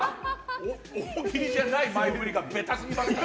大喜利じゃない前振りがベタすぎる。